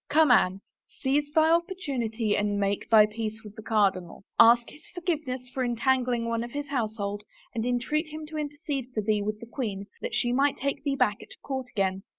Come, Anne, seize thy opportunity and make thy peace with the cardinal. Ask his forgiveness for entangling one of his household and entreat him to intercede for thee with the queen that 36 A ROSE AND SOME WORDS she may take thee back at court again.